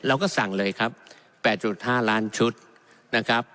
เราก็สั่งเลยครับแปดจุดห้าล้านชุดนะครับ